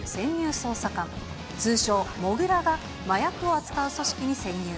捜査官、通称もぐらが麻薬を扱う組織に潜入。